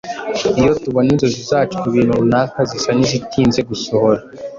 Iyo tubona inzozi zacu ku kintu runaka zisa n’izitinze gusohora,